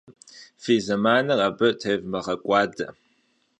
Fi zemanır abı têvmığek'uade.